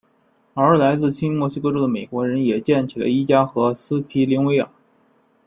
而来自新墨西哥州的美国人也建起了伊加和斯皮灵威尔。